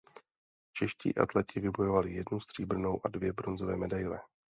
Čeští atleti vybojovali jednu stříbrnou a dvě bronzové medaile.